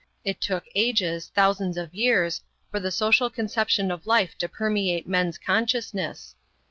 It took ages, thousands of years, for the social conception of life to permeate men's consciousness.